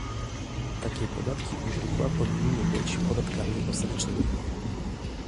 Takie podatki u źródła powinny być podatkami ostatecznymi